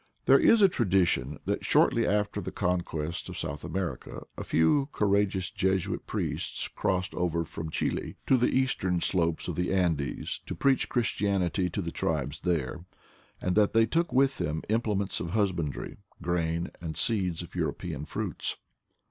There is a tradition that shortly after the con quest of South America a few courageous Jesuit priests crossed over from Chili to the eastern slopes of the Andes to preach Christianity to the tribes there, and that they took with them imple j ments of husbandry, grain, and seeds of European] / fruits.